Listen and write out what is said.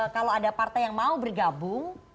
kalau ada partai yang mau bergabung